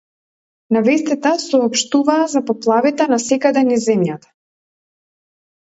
На вестите соопштуваа за поплавите насекаде низ земјата.